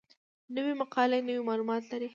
نوې مقاله نوي معلومات لري